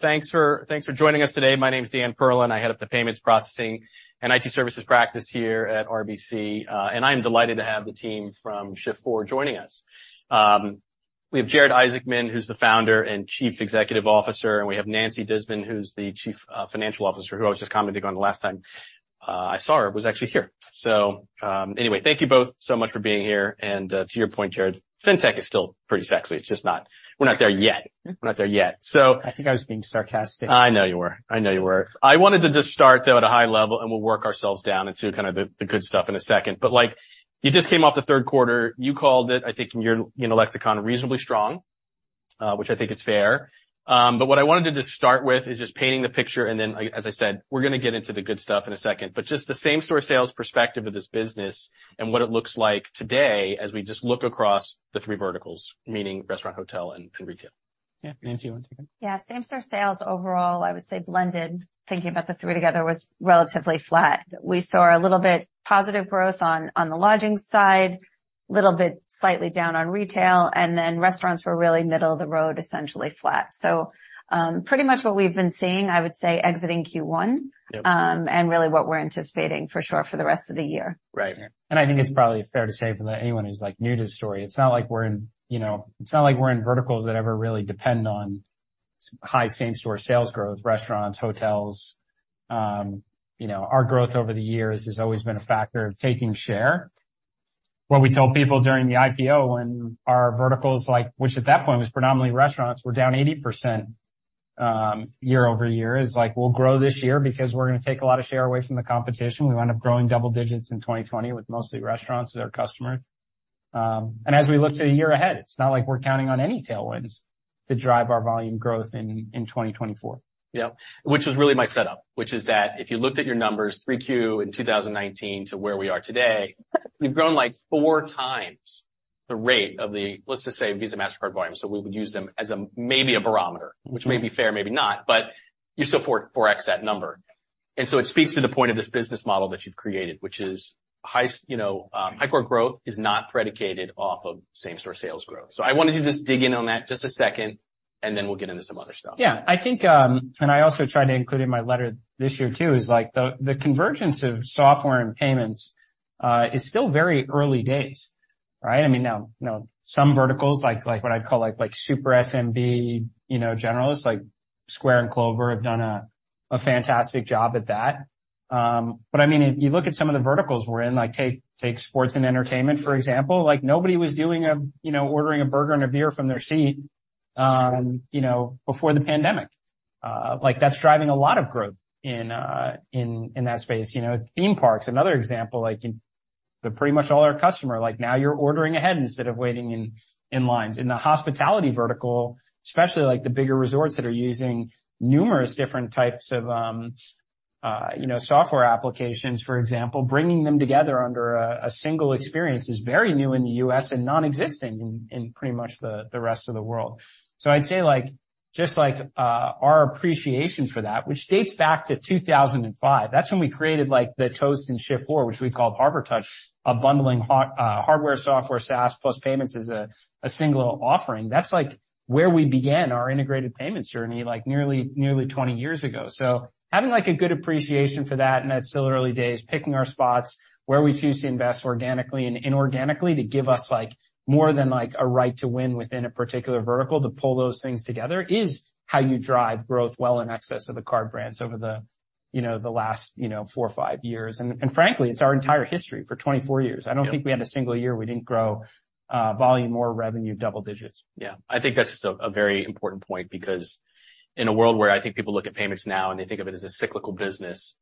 Thanks for joining us today. My name is Dan Perlin. I head up the payments processing and IT services practice here at RBC, and I'm delighted to have the team from Shift4 joining us. We have Jared Isaacman, who's the Founder and Chief Executive Officer, and we have Nancy Disman, who's the Chief Financial Officer, who I was just commenting on the last time I saw her was actually here. So, anyway, thank you both so much for being here. To your point, Jared, Fintech is still pretty sexy. It's just not, we're not there yet. We're not there yet. So- I think I was being sarcastic. I know you were. I know you were. I wanted to just start, though, at a high level, and we'll work ourselves down into kind of the good stuff in a second. But, like, you just came off the third quarter. You called it, I think, in your, you know, lexicon, reasonably strong, which I think is fair. But what I wanted to just start with is just painting the picture, and then, like, as I said, we're going to get into the good stuff in a second, but just the same-store sales perspective of this business and what it looks like today as we just look across the three verticals, meaning restaurant, hotel, and retail. Yeah. Nancy, you want to take it? Yeah, same-store sales overall, I would say blended, thinking about the three together, was relatively flat. We saw a little bit positive growth on, on the lodging side, little bit slightly down on retail, and then restaurants were really middle of the road, essentially flat. So, pretty much what we've been seeing, I would say, exiting Q1- Yep. And really what we're anticipating for sure, for the rest of the year. Right. And I think it's probably fair to say for anyone who's, like, new to the story, it's not like we're in, you know, it's not like we're in verticals that ever really depend on high same-store sales growth, restaurants, hotels. You know, our growth over the years has always been a factor of taking share. What we told people during the IPO, when our verticals, like, which at that point was predominantly restaurants, were down 80%, year-over-year, is like, we'll grow this year because we're going to take a lot of share away from the competition. We wound up growing double digits in 2020 with mostly restaurants as our customer. And as we look to the year ahead, it's not like we're counting on any tailwinds to drive our volume growth in 2024. Yep, which was really my setup, which is that if you looked at your numbers, 3Q in 2019 to where we are today, you've grown, like, four times the rate of the, let's just say, Visa, Mastercard volume. So we would use them as a, maybe a barometer, which may be fair, maybe not, but you still 4X that number. And so it speaks to the point of this business model that you've created, which is high, you know, high core growth is not predicated off of same-store sales growth. So I wanted to just dig in on that just a second, and then we'll get into some other stuff. Yeah, I think, and I also tried to include in my letter this year, too, like, the convergence of software and payments is still very early days, right? I mean, now, you know, some verticals, like what I'd call, like, super SMB, you know, generalists, like Square and Clover, have done a fantastic job at that. But I mean, if you look at some of the verticals we're in, like, take sports and entertainment, for example, like, nobody was doing, you know, ordering a burger and a beer from their seat, you know, before the pandemic. Like, that's driving a lot of growth in that space. You know, theme parks, another example, like, pretty much all our customer, like, now you're ordering ahead instead of waiting in lines. In the hospitality vertical, especially, like the bigger resorts that are using numerous different types of, you know, software applications, for example, bringing them together under a single experience is very new in the U.S. and nonexistent in pretty much the rest of the world. So I'd say, like, just, like, our appreciation for that, which dates back to 2005. That's when we created, like, the Toast and Shift4, which we called Harbortouch, a bundling hardware, software, SaaS, plus payments as a single offering. That's, like, where we began our integrated payments journey, like, nearly 20 years ago. So having, like, a good appreciation for that, and that's still early days, picking our spots where we choose to invest organically and inorganically to give us like, more than like, a right to win within a particular vertical. To pull those things together is how you drive growth well in excess of the card brands over the, you know, the last, you know, four or five years. And frankly, it's our entire history for 24 years. Yep. I don't think we had a single year we didn't grow volume or revenue double digits. Yeah, I think that's just a very important point, because in a world where I think people look at payments now and they think of it as a cyclical business,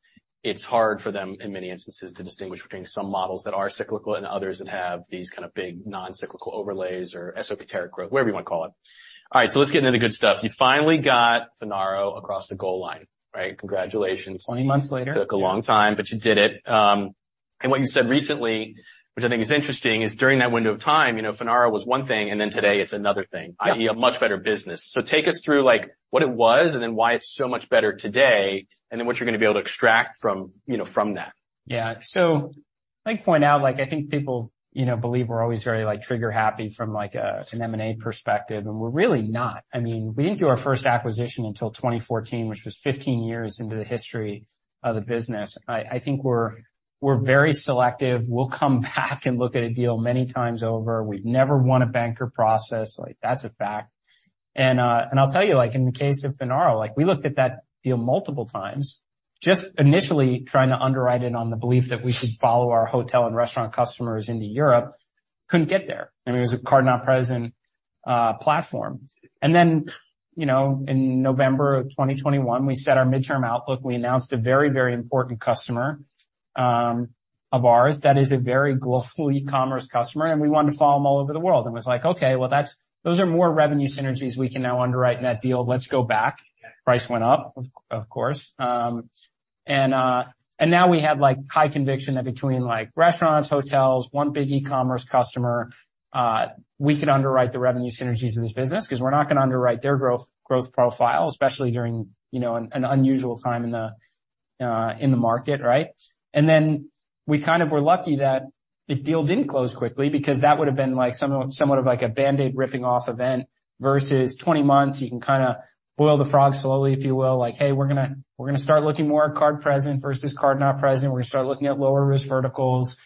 it's hard for them, in many instances, to distinguish between some models that are cyclical and others that have these kind of big non-cyclical overlays or esoteric growth, whatever you want to call it. All right, so let's get into the good stuff. You finally got Finaro across the goal line, right? Congratulations. 20 months later. Took a long time, but you did it. And what you said recently, which I think is interesting, is during that window of time, you know, Finaro was one thing, and then today it's another thing. Yep. i.e., a much better business. So take us through, like, what it was and then why it's so much better today, and then what you're going to be able to extract from, you know, from that. Yeah. So I'd like to point out, like, I think people, you know, believe we're always very, like, trigger-happy from like, a, an M&A perspective, and we're really not. I mean, we didn't do our first acquisition until 2014, which was 15 years into the history of the business. I think we're very selective. We'll come back and look at a deal many times over. We've never won a banker process, like, that's a fact. And I'll tell you, like, in the case of Finaro, like, we looked at that deal multiple times, just initially trying to underwrite it on the belief that we should follow our hotel and restaurant customers into Europe. Couldn't get there. I mean, it was a card not present platform. And then, you know, in November 2021, we set our midterm outlook. We announced a very, very important customer of ours that is a very global e-commerce customer, and we wanted to follow them all over the world. And was like: Okay, well, that's those are more revenue synergies we can now underwrite in that deal. Let's go back. Price went up, of course. And now we have, like, high conviction that between, like, restaurants, hotels, one big e-commerce customer, we can underwrite the revenue synergies of this business because we're not going to underwrite their growth profile, especially during, you know, an unusual time in the market, right? And then we kind of were lucky that the deal didn't close quickly because that would have been like somewhat of like a Band-Aid ripping off event versus 20 months, you can kind of boil the frog slowly, if you will. Like, "Hey, we're gonna, we're gonna start looking more at Card Present versus Card Not Present. We're gonna start looking at lower-risk verticals.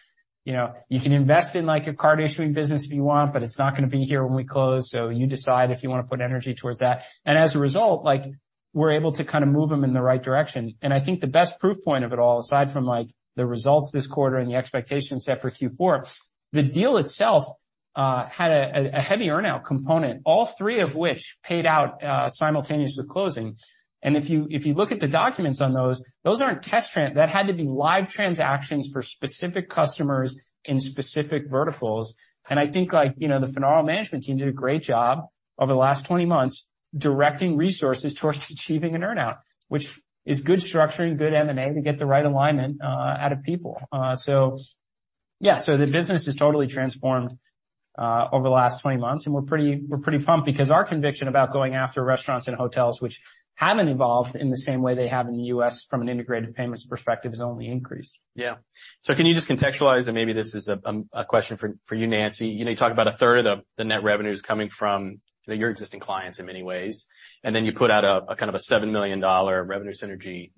You know, you can invest in, like, a card issuing business if you want, but it's not gonna be here when we close, so you decide if you want to put energy towards that." And as a result, like, we're able to kind of move them in the right direction. And I think the best proof point of it all, aside from, like, the results this quarter and the expectations set for Q4, the deal itself had a heavy earn-out component, all three of which paid out simultaneously with closing. And if you look at the documents on those, that had to be live transactions for specific customers in specific verticals. I think, like, you know, the Finaro management team did a great job over the last 20 months, directing resources towards achieving an earn-out, which is good structuring, good M&A to get the right alignment out of people. So yeah. So the business is totally transformed over the last 20 months, and we're pretty, we're pretty pumped because our conviction about going after restaurants and hotels, which haven't evolved in the same way they have in the U.S. from an integrated payments perspective, has only increased. Yeah. So can you just contextualize, and maybe this is a, a question for, for you, Nancy. You know, you talk about a third of the, the net revenues coming from, you know, your existing clients in many ways, and then you put out a, a kind of a $7 million revenue synergy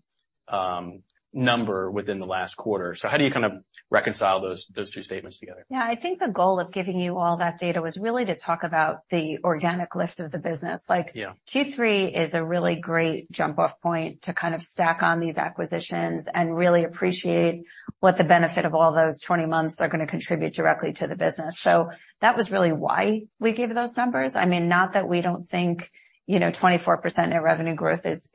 number within the last quarter. So how do you kind of reconcile those, those two statements together? Yeah, I think the goal of giving you all that data was really to talk about the organic lift of the business. Yeah. Like, Q3 is a really great jump-off point to kind of stack on these acquisitions and really appreciate what the benefit of all those 20 months are gonna contribute directly to the business. So that was really why we gave those numbers. I mean, not that we don't think, you know, 24% net revenue growth is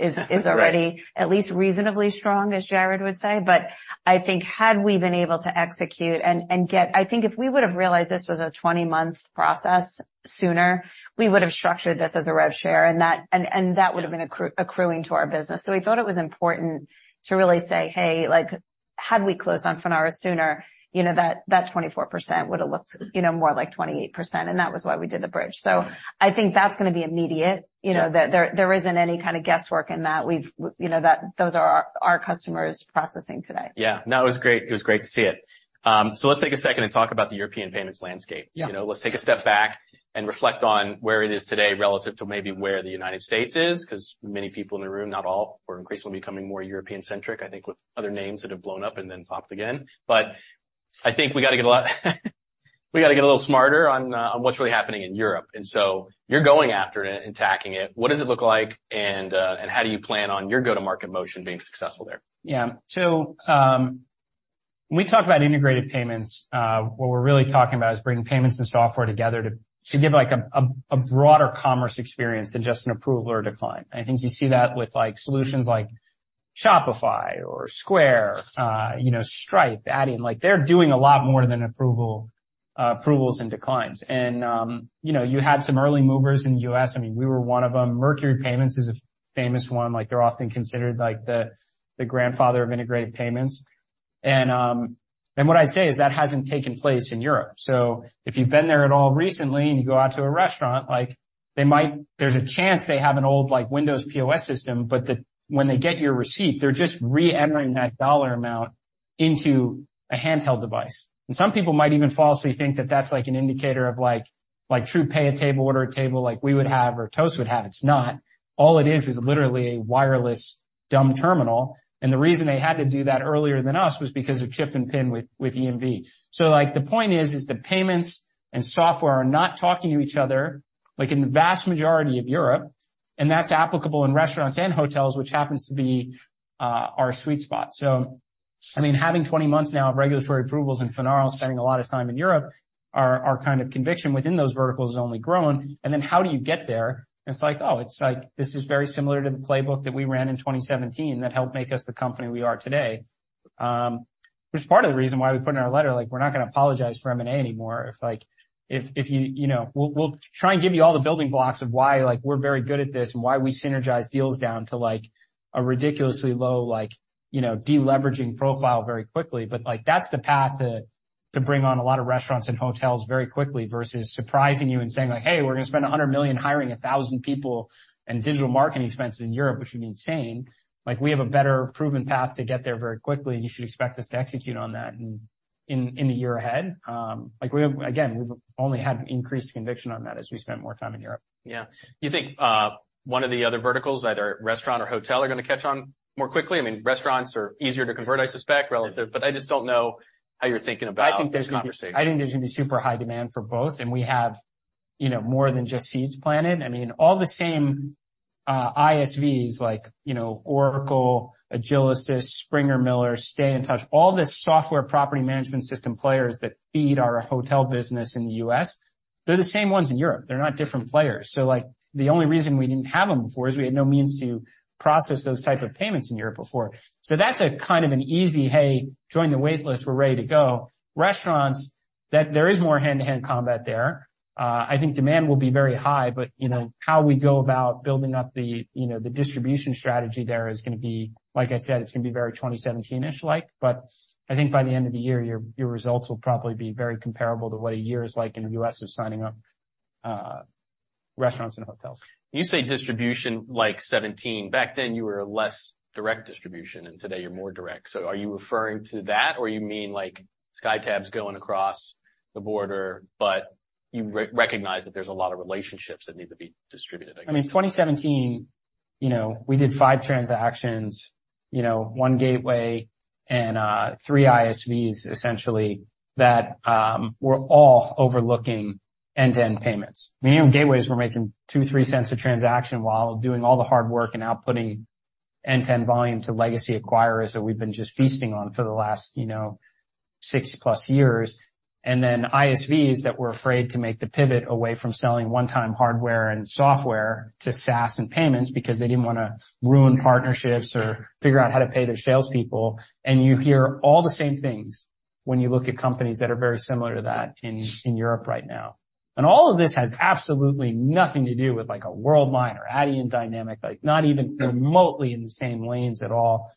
already- Right At least reasonably strong, as Jared would say. But I think had we been able to execute and get, I think if we would have realized this was a 20-month process sooner, we would have structured this as a rev share, and that would have been accruing to our business. So we thought it was important to really say, "Hey, like, had we closed on Finaro sooner, you know, that 24% would have looked, you know, more like 28%," and that was why we did the bridge. So I think that's gonna be immediate, you know, that there isn't any kind of guesswork in that. We've, you know, those are our customers processing today. Yeah. No, it was great. It was great to see it. So let's take a second and talk about the European payments landscape. Yeah. You know, let's take a step back and reflect on where it is today relative to maybe where the United States is, 'cause many people in the room, not all, we're increasingly becoming more European-centric, I think, with other names that have blown up and then popped again. But I think we gotta get a little smarter on what's really happening in Europe, and so you're going after it and attacking it. What does it look like, and how do you plan on your go-to-market motion being successful there? Yeah. So when we talk about integrated payments, what we're really talking about is bringing payments and software together to give, like, a broader commerce experience than just an approval or decline. I think you see that with, like, solutions like Shopify or Square, you know, Stripe, Adyen, like, they're doing a lot more than approval, approvals and declines. And you know, you had some early movers in the U.S. I mean, we were one of them. Mercury Payments is a famous one. Like, they're often considered like the grandfather of integrated payments. And what I'd say is that hasn't taken place in Europe. So if you've been there at all recently, and you go out to a restaurant, like, they might, there's a chance they have an old, like, Windows POS system, but when they get your receipt, they're just re-entering that dollar amount into a handheld device. And some people might even falsely think that that's, like, an indicator of, like, like, true pay at table, order at table, like we would have or Toast would have. It's not. All it is, is literally a wireless dumb terminal, and the reason they had to do that earlier than us was because of Chip and PIN with EMV. So, like, the point is, is that payments and software are not talking to each other, like, in the vast majority of Europe, and that's applicable in restaurants and hotels, which happens to be our sweet spot. So I mean, having 20 months now of regulatory approvals and Finaro spending a lot of time in Europe, our, our kind of conviction within those verticals has only grown. And then how do you get there? It's like, oh, it's like, this is very similar to the playbook that we ran in 2017 that helped make us the company we are today. Which is part of the reason why we put in our letter, like, we're not gonna apologize for M&A anymore. If like, if, if you... You know, we'll, we'll try and give you all the building blocks of why, like, we're very good at this and why we synergize deals down to, like, a ridiculously low, like, you know, deleveraging profile very quickly. But, like, that's the path to bring on a lot of restaurants and hotels very quickly, versus surprising you and saying, like, "Hey, we're gonna spend $100 million hiring 1,000 people and digital marketing expenses in Europe," which would be insane. Like, we have a better proven path to get there very quickly, and you should expect us to execute on that in the year ahead. Like, again, we've only had increased conviction on that as we spent more time in Europe. Yeah. Do you think, one of the other verticals, either restaurant or hotel, are gonna catch on more quickly? I mean, restaurants are easier to convert, I suspect, relative, but I just don't know how you're thinking about this conversation. I think there's gonna be super high demand for both, and we have, you know, more than just seeds planted. I mean, all the same, ISVs like, you know, Oracle, Agilysys, Springer-Miller, StayNTouch, all the software property management system players that feed our hotel business in the U.S., they're the same ones in Europe. They're not different players. So, like, the only reason we didn't have them before is we had no means to process those type of payments in Europe before. So that's a kind of an easy, "Hey, join the wait list. We're ready to go." Restaurants, that there is more hand-to-hand combat there. I think demand will be very high, but, you know, how we go about building up the, you know, the distribution strategy there is gonna be, like I said, it's gonna be very 2017-ish like, but I think by the end of the year, your, your results will probably be very comparable to what a year is like in the U.S. of signing up restaurants and hotels. You say distribution, like 17. Back then, you were less direct distribution, and today you're more direct. So are you referring to that, or you mean, like, SkyTab going across the border, but you recognize that there's a lot of relationships that need to be distributed again? I mean, 2017, you know, we did five transactions, you know, one gateway and three ISVs, essentially, that were all overlooking end-to-end payments. Many of the gateways were making $0.02-$0.03 a transaction while doing all the hard work and outputting end-to-end volume to legacy acquirers that we've been just feasting on for the last, you know, 6+ years. Then ISVs that were afraid to make the pivot away from selling one-time hardware and software to SaaS and payments because they didn't want to ruin partnerships or figure out how to pay their salespeople. You hear all the same things when you look at companies that are very similar to that in Europe right now. All of this has absolutely nothing to do with, like, a Worldline or Adyen, like, not even remotely in the same lanes at all.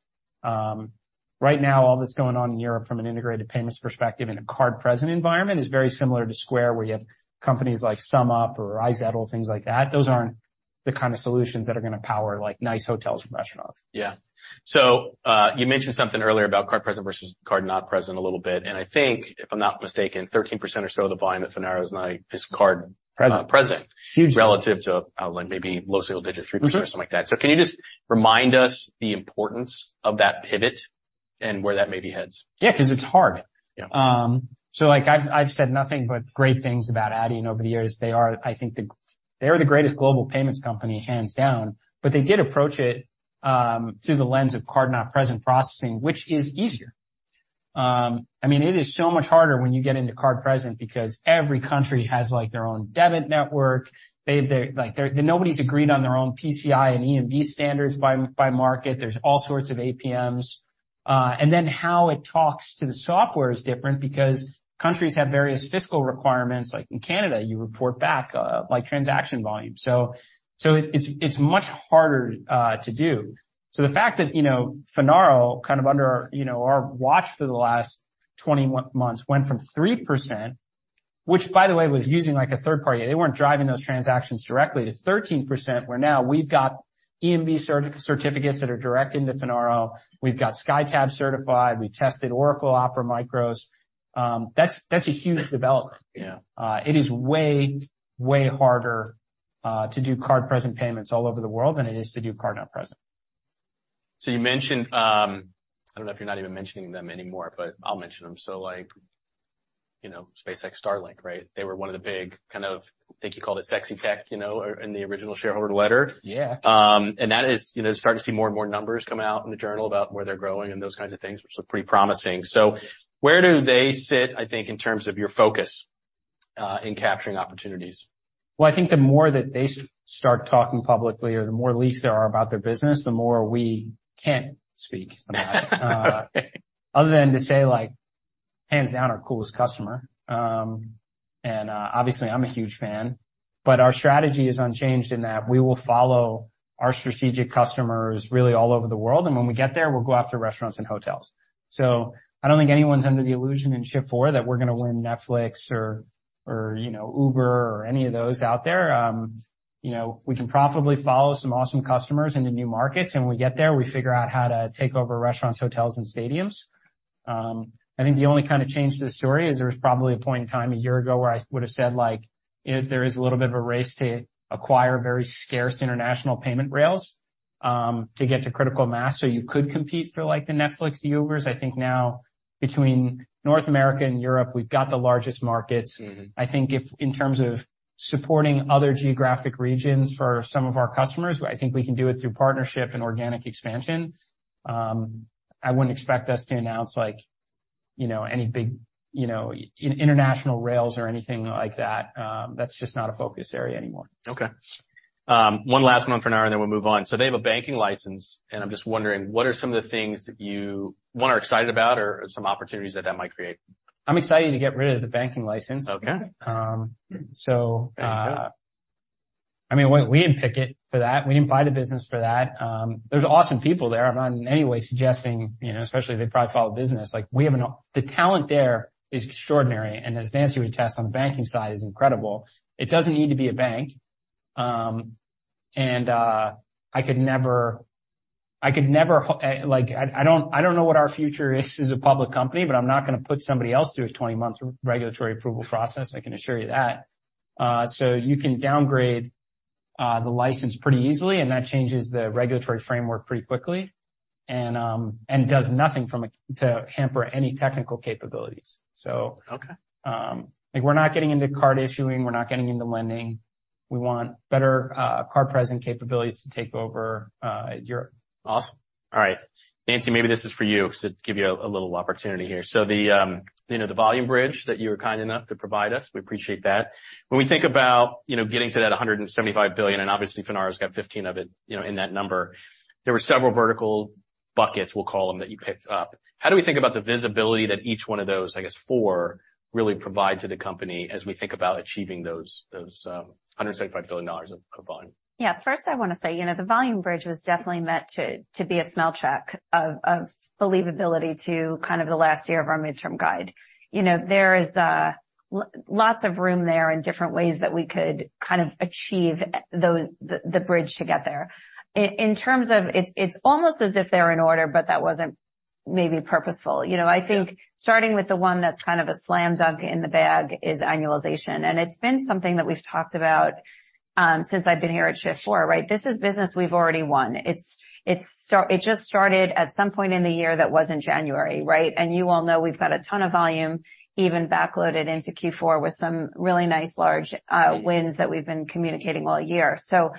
Right now, all that's going on in Europe from an integrated payments perspective in a card-present environment is very similar to Square, where you have companies like SumUp or Zettle, things like that. Those aren't the kind of solutions that are going to power, like, nice hotels and restaurants. Yeah. So, you mentioned something earlier about card present versus card not present a little bit, and I think, if I'm not mistaken, 13% or so of the volume at Finaro is not card-Present. Present. Huge. Relative to, like maybe low single digits, 3% or something like that. Mm-hmm. Can you just remind us the importance of that pivot and where that maybe heads? Yeah, because it's hard. Yeah. So like I've said nothing but great things about Adyen over the years. They are, I think they are the greatest global payments company, hands down, but they did approach it through the lens of card-not-present processing, which is easier. I mean, it is so much harder when you get into card present because every country has, like, their own debit network. Nobody's agreed on their own PCI and EMV standards by market. There's all sorts of APMs. And then how it talks to the software is different because countries have various fiscal requirements. Like in Canada, you report back, like, transaction volume. So it's much harder to do. So the fact that, you know, Finaro, kind of under, you know, our watch for the last 20 months, went from 3%, which, by the way, was using, like, a third party. They weren't driving those transactions directly to 13%, where now we've got EMV certificates that are direct into Finaro. We've got SkyTab certified, we've tested Oracle, OPERA, MICROS. That's, that's a huge development. Yeah. It is way, way harder to do card-present payments all over the world than it is to do card not present. So you mentioned, I don't know if you're not even mentioning them anymore, but I'll mention them. So, like, you know, SpaceX Starlink, right? They were one of the big kind of, I think you called it sexy tech, you know, in the original shareholder letter. Yeah. And that is, you know, starting to see more and more numbers come out in the journal about where they're growing and those kinds of things, which are pretty promising. So where do they sit, I think, in terms of your focus, in capturing opportunities? Well, I think the more that they start talking publicly, or the more leaks there are about their business, the more we can't speak about it. Other than to say, like, hands down, our coolest customer. And obviously, I'm a huge fan, but our strategy is unchanged in that we will follow our strategic customers really all over the world, and when we get there, we'll go after restaurants and hotels. So I don't think anyone's under the illusion in Shift4 that we're gonna win Netflix or, or, you know, Uber or any of those out there. You know, we can profitably follow some awesome customers into new markets, and when we get there, we figure out how to take over restaurants, hotels, and stadiums. I think the only kind of change to the story is there was probably a point in time a year ago where I would have said, like, if there is a little bit of a race to acquire very scarce international payment rails, to get to critical mass, so you could compete for, like, the Netflix, the Ubers. I think now, between North America and Europe, we've got the largest markets. Mm-hmm. I think, in terms of supporting other geographic regions for some of our customers, I think we can do it through partnership and organic expansion. I wouldn't expect us to announce, like, you know, any big, you know, international rails or anything like that. That's just not a focus area anymore. Okay. One last one for an hour, and then we'll move on. So they have a banking license, and I'm just wondering, what are some of the things that you, one, are excited about or some opportunities that that might create? I'm excited to get rid of the banking license. Okay. Um, so, uh- Very good. I mean, we didn't pick it for that. We didn't buy the business for that. There's awesome people there. I'm not in any way suggesting, you know, especially if they probably follow business, like, we have no... The talent there is extraordinary, and as Nancy would attest on, the banking side is incredible. It doesn't need to be a bank. And, I could never, I could never, like, I, I don't, I don't know what our future is as a public company, but I'm not gonna put somebody else through a 20-month regulatory approval process. I can assure you that. So you can downgrade the license pretty easily, and that changes the regulatory framework pretty quickly and, and does nothing from a to hamper any technical capabilities. So- Okay. We're not getting into card issuing. We're not getting into lending. We want better card-present capabilities to take over Europe. Awesome. All right, Nancy, maybe this is for you to give you a little opportunity here. So the, you know, the volume bridge that you were kind enough to provide us, we appreciate that. When we think about, you know, getting to that $175 billion, and obviously Finaro's got $15 billion of it, you know, in that number, there were several vertical buckets, we'll call them, that you picked up. How do we think about the visibility that each one of those, I guess, four really provide to the company as we think about achieving those $175 billion dollars of volume? Yeah. First, I want to say, you know, the volume bridge was definitely meant to be a smell check of believability to kind of the last year of our midterm guide. You know, there is lots of room there and different ways that we could kind of achieve the bridge to get there. In terms of, it's almost as if they're in order, but that wasn't maybe purposeful. You know, I think starting with the one that's kind of a slam dunk in the bag is annualization, and it's been something that we've talked about since I've been here at Shift4, right? This is business we've already won. It just started at some point in the year that wasn't January, right? You all know we've got a ton of volume, even backloaded into Q4 with some really nice large wins that we've been communicating all year. So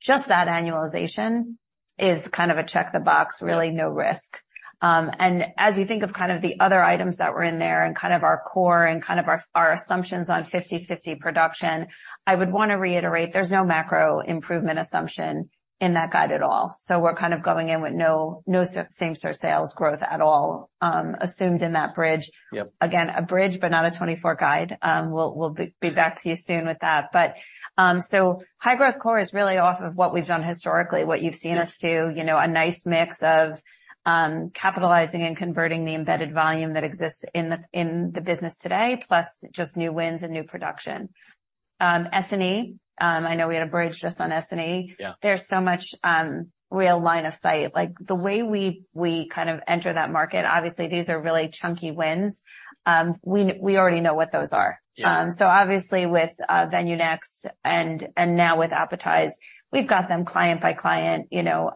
just that annualization is kind of a check the box, really no risk. And as you think of kind of the other items that were in there and kind of our core and kind of our, our assumptions on 50/50 production, I would want to reiterate there's no macro improvement assumption in that guide at all. So we're kind of going in with no same-store sales growth at all assumed in that bridge. Yep. Again, a bridge, but not a 24 guide. We'll be back to you soon with that. But so high-growth core is really off of what we've done historically, what you've seen us do. You know, a nice mix of capitalizing and converting the embedded volume that exists in the business today, plus just new wins and new production. S&E, I know we had a bridge just on S&E. Yeah. There's so much real line of sight. Like, the way we kind of enter that market, obviously, these are really chunky wins. We already know what those are. Yeah. So obviously, with VenueNext, and now with Appetize, we've got them client by client, you know,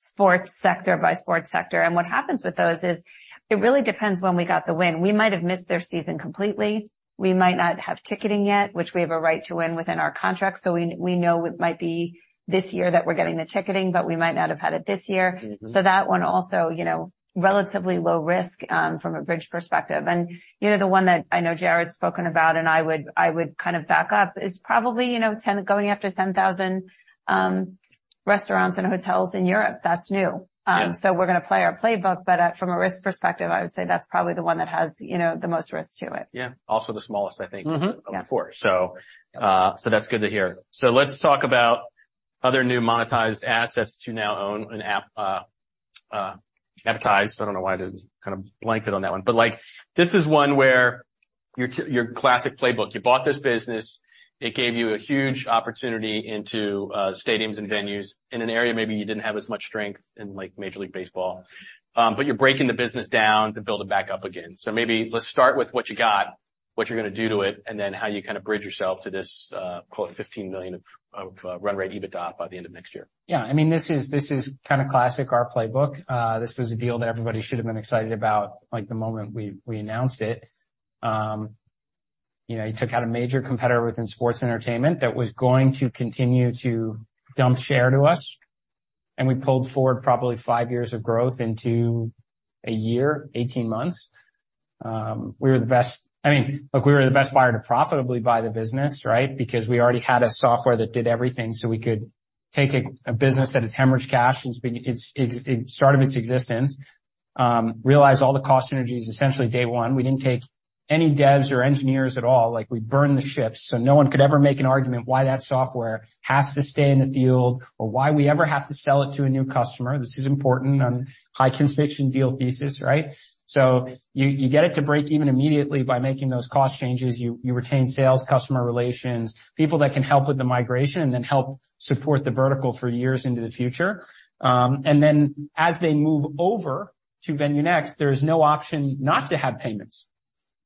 sports sector by sports sector. And what happens with those is, it really depends when we got the win. We might have missed their season completely. We might not have ticketing yet, which we have a right to win within our contract, so we know it might be this year that we're getting the ticketing, but we might not have had it this year. Mm-hmm. So that one also, you know, relatively low risk, from a bridge perspective. And, you know, the one that I know Jared's spoken about, and I would, I would kind of back up, is probably, you know, going after 10,000 restaurants and hotels in Europe. That's new. Yeah. We're gonna play our playbook, but from a risk perspective, I would say that's probably the one that has, you know, the most risk to it. Yeah. Also, the smallest, I think- Mm-hmm. Yeah. -of the four. So, so that's good to hear. So let's talk about other new monetized assets to now own an app, Appetize. I don't know why I just kind of blanked it on that one. But, like, this is one where your classic playbook, you bought this business, it gave you a huge opportunity into stadiums and venues in an area maybe you didn't have as much strength in, like Major League Baseball. But you're breaking the business down to build it back up again. So maybe let's start with what you got, what you're gonna do to it, and then how you kind of bridge yourself to this, quote, $15 million of run rate EBITDA by the end of next year. Yeah, I mean, this is kind of classic our playbook. This was a deal that everybody should have been excited about, like, the moment we announced it. You know, you took out a major competitor within sports entertainment that was going to continue to dump share to us, and we pulled forward probably five years of growth into a year, 18 months. We were the best... I mean, look, we were the best buyer to profitably buy the business, right? Because we already had a software that did everything, so we could take a business that has hemorrhaged cash since its existence, realize all the cost synergies, essentially, day one. We didn't take any devs or engineers at all. Like, we burned the ships, so no one could ever make an argument why that software has to stay in the field or why we ever have to sell it to a new customer. This is important on high-conviction deal thesis, right? So you, you get it to break even immediately by making those cost changes. You, you retain sales, customer relations, people that can help with the migration and then help support the vertical for years into the future. And then as they move over to VenueNext, there is no option not to have payments,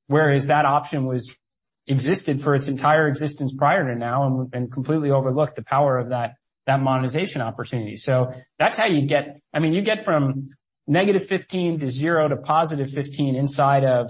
whereas that option existed for its entire existence prior to now and, and completely overlooked the power of that, that monetization opportunity. So that's how you get—I mean, you get from -15 to zero to +15 inside of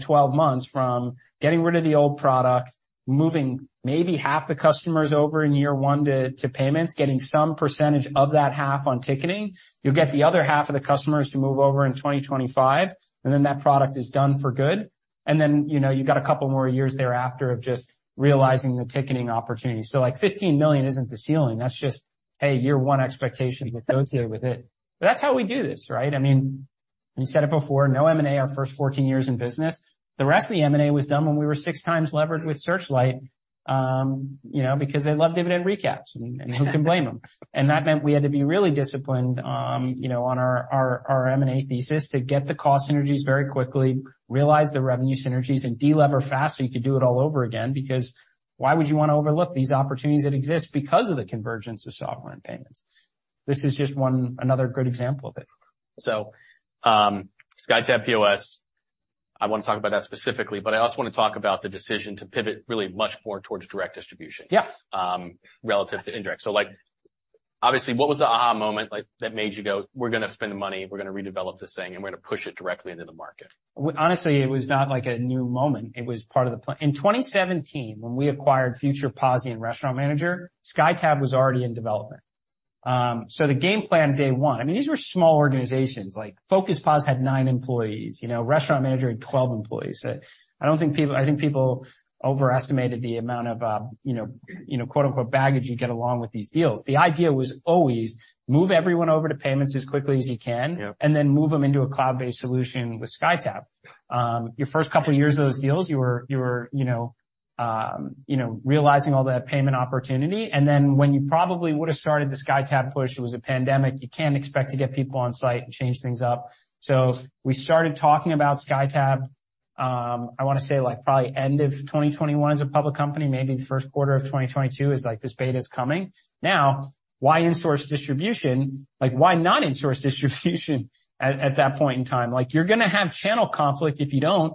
12 months from getting rid of the old product, moving maybe half the customers over in year one to payments, getting some percentage of that half on ticketing. You'll get the other half of the customers to move over in 2025, and then that product is done for good. And then, you know, you've got a couple more years thereafter of just realizing the ticketing opportunity. So, like, $15 million isn't the ceiling. That's just, hey, year one expectation that goes here with it. But that's how we do this, right? I mean, you said it before, no M&A our first 14 years in business. The rest of the M&A was done when we were 6x levered with Searchlight, you know, because they love dividend recaps, and who can blame them? That meant we had to be really disciplined, you know, on our M&A thesis to get the cost synergies very quickly, realize the revenue synergies, and delever fast so you could do it all over again. Because why would you want to overlook these opportunities that exist because of the convergence of software and payments? This is just one-another good example of it. SkyTab POS, I want to talk about that specifically, but I also want to talk about the decision to pivot really much more towards direct distribution. Yes. Relative to indirect. So, like, obviously, what was the aha moment like, that made you go, "We're gonna spend the money, we're gonna redevelop this thing, and we're gonna push it directly into the market? Well, honestly, it was not like a new moment. It was part of the plan. In 2017, when we acquired Future POS and Restaurant Manager, SkyTab was already in development. So the game plan, day one, I mean, these were small organizations. Like, Focus POS had nine employees, you know, Restaurant Manager had 12 employees. I think people overestimated the amount of, you know, quote, unquote, "baggage" you get along with these deals. The idea was always move everyone over to payments as quickly as you can- Yep. And then move them into a cloud-based solution with SkyTab. Your first couple of years of those deals, you were you know realizing all that payment opportunity, and then when you probably would have started the SkyTab push, it was a pandemic. You can't expect to get people on site and change things up. So we started talking about SkyTab, I wanna say, like, probably end of 2021 as a public company, maybe the first quarter of 2022, is like, this beta is coming. Now, why in-source distribution? Like, why not in-source distribution at that point in time? Like, you're gonna have channel conflict if you don't.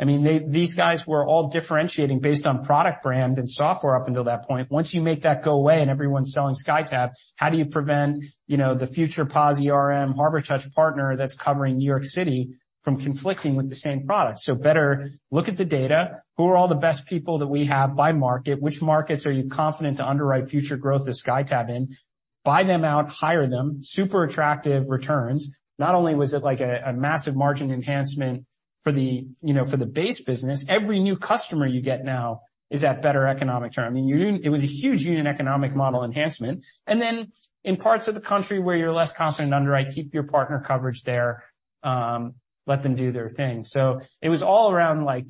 I mean, these guys were all differentiating based on product brand and software up until that point. Once you make that go away and everyone's selling SkyTab, how do you prevent, you know, the future POS, Harbortouch partner that's covering New York City from conflicting with the same product? So better look at the data. Who are all the best people that we have by market? Which markets are you confident to underwrite future growth of SkyTab in? Buy them out, hire them. Super attractive returns. Not only was it like a massive margin enhancement for the, you know, for the base business, every new customer you get now is at better economic term. I mean, you- it was a huge unit economic model enhancement. And then in parts of the country where you're less confident to underwrite, keep your partner coverage there, let them do their thing. So it was all around, like,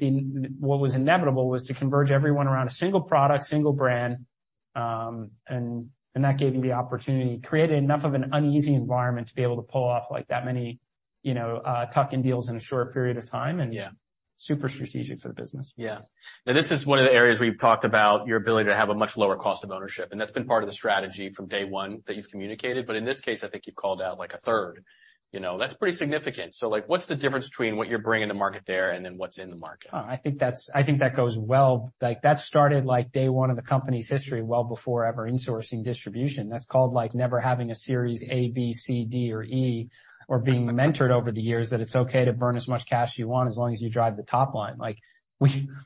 what was inevitable was to converge everyone around a single product, single brand, and that gave you the opportunity. Created enough of an uneasy environment to be able to pull off, like, that many, you know, tuck-in deals in a short period of time, and- Yeah. Super strategic for the business. Yeah. Now, this is one of the areas we've talked about, your ability to have a much lower cost of ownership, and that's been part of the strategy from day one that you've communicated. But in this case, I think you've called out, like, a third. You know, that's pretty significant. So, like, what's the difference between what you're bringing to market there and then what's in the market? Oh, I think that goes well. Like, that started, like, day one of the company's history, well before ever insourcing distribution. That's called, like, never having a series A, B, C, D, or E, or being mentored over the years, that it's okay to burn as much cash you want as long as you drive the top line. Like,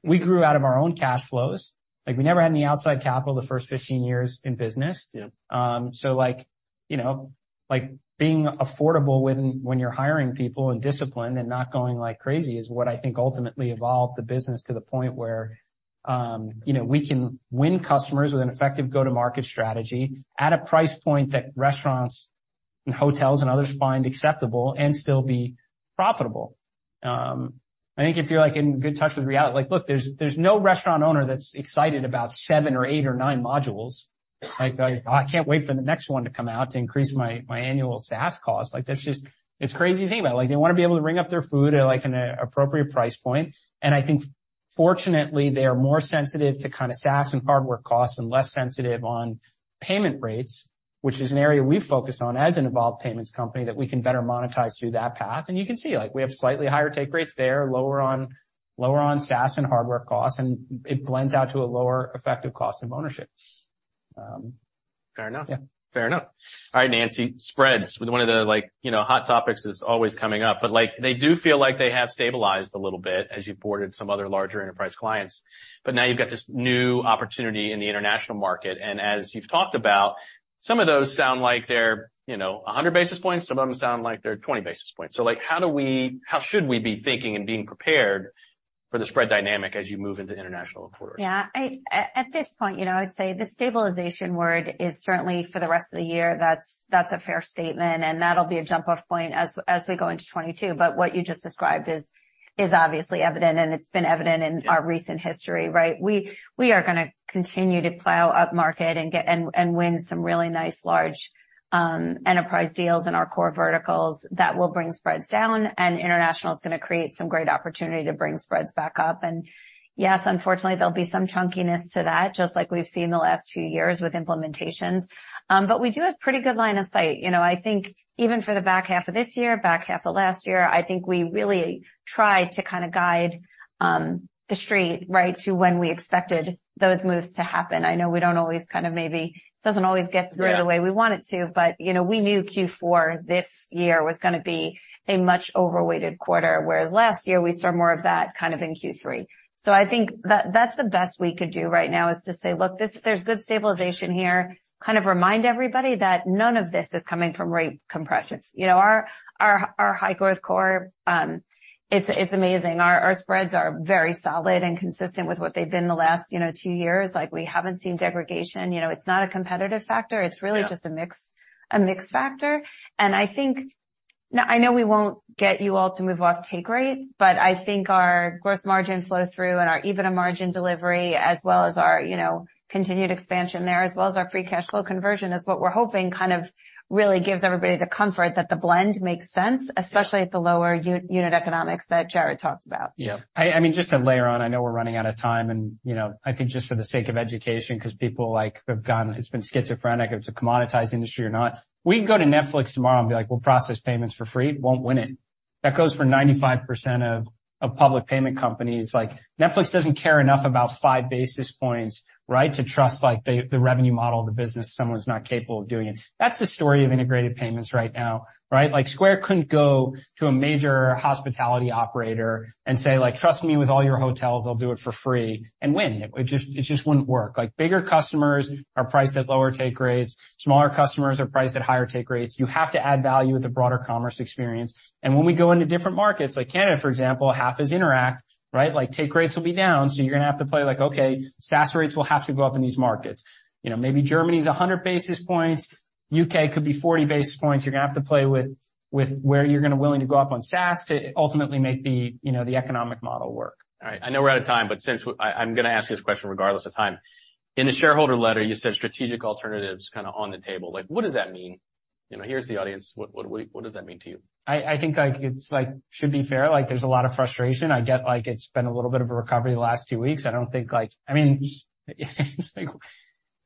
we grew out of our own cash flows. Like, we never had any outside capital the first 15 years in business. Yeah. So like, you know, like, being affordable when you're hiring people, and disciplined, and not going, like, crazy is what I think ultimately evolved the business to the point where, you know, we can win customers with an effective go-to-market strategy at a price point that restaurants and hotels and others find acceptable and still be profitable. I think if you're, like, in good touch with reality, like, look, there's no restaurant owner that's excited about seven or eight or nine modules. Like, "I can't wait for the next one to come out to increase my annual SaaS cost." Like, that's just... It's crazy to think about it. Like, they wanna be able to ring up their food at, like, an appropriate price point, and I think, fortunately, they are more sensitive to kind of SaaS and hardware costs and less sensitive on payment rates, which is an area we focus on as an evolved payments company, that we can better monetize through that path. And you can see, like, we have slightly higher take rates there, lower on, lower on SaaS and hardware costs, and it blends out to a lower effective cost of ownership. Fair enough. Yeah. Fair enough. All right, Nancy, spreads, with one of the, like, you know, hot topics is always coming up, but, like, they do feel like they have stabilized a little bit as you've boarded some other larger enterprise clients. But now you've got this new opportunity in the international market, and as you've talked about, some of those sound like they're, you know, 100 basis points, some of them sound like they're 20 basis points. So, like, how should we be thinking and being prepared for the spread dynamic as you move into international quarters? Yeah. At this point, you know, I'd say the stabilization word is certainly for the rest of the year. That's, that's a fair statement, and that'll be a jump-off point as, as we go into 2022. But what you just described is, is obviously evident, and it's been evident in- Yeah Our recent history, right? We are gonna continue to plow upmarket and get and win some really nice large enterprise deals in our core verticals. That will bring spreads down, and international is gonna create some great opportunity to bring spreads back up. And yes, unfortunately, there'll be some chunkiness to that, just like we've seen the last two years with implementations. But we do have pretty good line of sight. You know, I think even for the back half of this year, back half of last year, I think we really tried to kind of guide the street, right, to when we expected those moves to happen. I know we don't always kind of maybe it doesn't always get- Yeah Through the way we want it to, but, you know, we knew Q4 this year was gonna be a much overweighted quarter, whereas last year we saw more of that kind of in Q3. So I think that that's the best we could do right now, is to say, "Look, this, there's good stabilization here." Kind of remind everybody that none of this is coming from rate compressions. You know, our high-growth core, it's amazing. Our spreads are very solid and consistent with what they've been the last, you know, two years. Like, we haven't seen degradation. You know, it's not a competitive factor. Yeah. It's really just a mix, a mix factor. And I think—now, I know we won't get you all to move off take rate, but I think our gross margin flow-through and our EBITDA margin delivery, as well as our, you know, continued expansion there, as well as our free cash flow conversion, is what we're hoping kind of really gives everybody the comfort that the blend makes sense- Yeah Especially at the lower unit economics that Jared talked about. Yeah. I mean, just to layer on, I know we're running out of time, and, you know, I think just for the sake of education, because people, like, have gotten. It's been schizophrenic if it's a commoditized industry or not. We can go to Netflix tomorrow and be like: We'll process payments for free. Won't win it. That goes for 95% of public payment companies. Like, Netflix doesn't care enough about five basis points, right, to trust, like, the revenue model of the business, someone's not capable of doing it. That's the story of integrated payments right now, right? Like, Square couldn't go to a major hospitality operator and say, like: "Trust me with all your hotels, I'll do it for free," and win. It just wouldn't work. Like, bigger customers are priced at lower take rates. Smaller customers are priced at higher take rates. You have to add value with a broader commerce experience. When we go into different markets, like Canada, for example, half is Interac, right? Like, take rates will be down, so you're gonna have to play like, okay, SaaS rates will have to go up in these markets. You know, maybe Germany is 100 basis points, U.K. could be 40 basis points. You're gonna have to play with where you're gonna willing to go up on SaaS to ultimately make the, you know, the economic model work. All right. I know we're out of time, but since I, I'm gonna ask you this question regardless of time. In the shareholder letter, you said strategic alternatives kind of on the table. Like, what does that mean? You know, here's the audience. What, what, what does that mean to you? I think, like, it's, like, should be fair. Like, there's a lot of frustration. I get, like, it's been a little bit of a recovery the last two weeks. I don't think, like. I mean, it's like,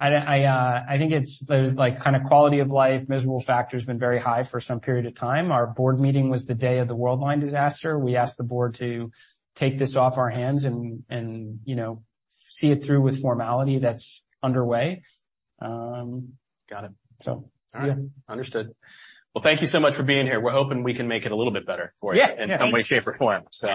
I think it's the, like, kind of quality of life, miserable factor has been very high for some period of time. Our board meeting was the day of the Worldline disaster. We asked the board to take this off our hands and, and, you know, see it through with formality that's underway. Got it. So, yeah. All right. Understood. Well, thank you so much for being here. We're hoping we can make it a little bit better for you- Yeah In some way, shape, or form. So-